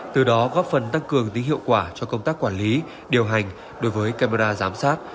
từ đó góp phần tăng cường tính hiệu quả cho công tác quản lý điều hành đối với camera giám sát